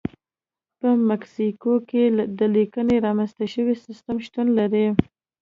په مکسیکو کې د لیکنې رامنځته شوی سیستم شتون لري.